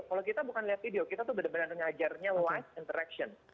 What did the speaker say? kalau kita bukan lihat video kita tuh benar benar mengajarnya live interaction